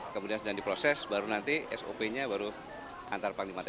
kemudian sedang diproses baru nanti sop nya baru antar panglima tni